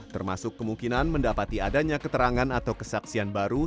termasuk kemungkinan mendapati adanya keterangan atau kesaksian baru